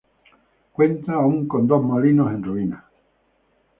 Cuenta aún con dos molinos, en ruinas.